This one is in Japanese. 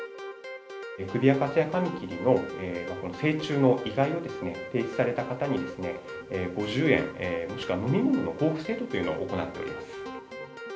クビアカツヤカミキリの成虫の遺骸を提出された方に、５０円もしくは飲み物の交付制度というのを行っております。